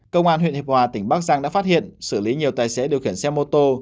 công an huyện hiệp hòa tỉnh bắc giang đã phát hiện xử lý nhiều tài xế điều khiển xe mô tô